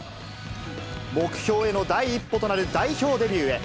目標への第一歩となる代表デビューへ。